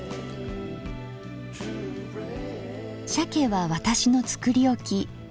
鮭は私の作り置き。